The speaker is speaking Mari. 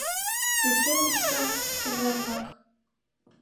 Рӱпшен вӱчка пызлерымак